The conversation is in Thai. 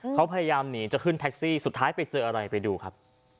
เขาพยายามหนีจะขึ้นแท็กซี่สุดท้ายไปเจออะไรไปดูครับ